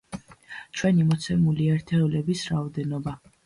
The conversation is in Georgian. ჩვენი მოცემული ერთეულების რაოდენობა.